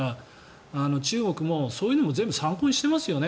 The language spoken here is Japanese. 中国もそういうのも全部参考にしてますよね。